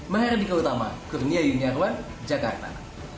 mahardika utama kurnia yuniarwan jakarta